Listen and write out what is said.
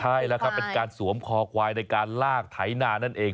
ใช่แหละเป็นการสวมคอควายในการลากไถ้หนานั้นเอง